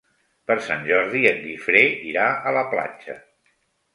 Per Sant Jordi en Guifré irà a la platja.